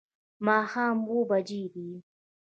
ماښام اووه بجې دي